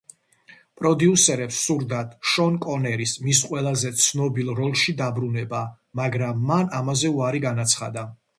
პროდიუსერებს სურდათ შონ კონერის მის ყველაზე ცნობილ როლში დაბრუნება, მაგრამ მან ამაზე უარი განაცხადა.